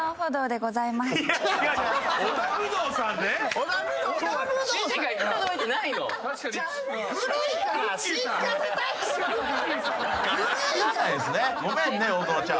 ごめんね大園ちゃん。